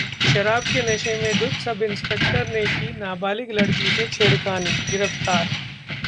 शराब के नशे में धुत सब इंस्पेक्टर ने की नाबालिग लड़की से छेड़खानी, गिरफ्तार